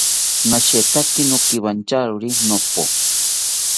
Nashetaki nokiwantyari nopo